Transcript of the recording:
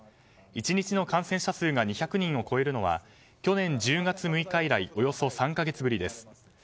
１日の感染者数が２００人を超えるのは去年１０月６日以来およそ３か月ぶりです。